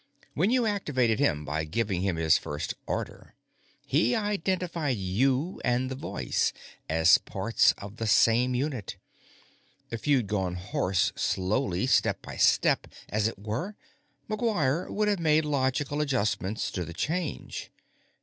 "When you activated him by giving him his first order, he identified you and the voice as parts of the same unit. If you'd gone hoarse slowly, step by step, as it were, McGuire could have made logical adjustments to the change.